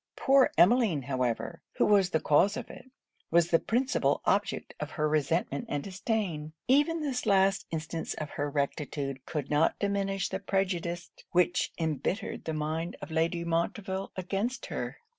Poor Emmeline however, who was the cause of it, was the principal object of her resentment and disdain. Even this last instance of her rectitude, could not diminish the prejudice which embittered the mind of Lady Montreville against her.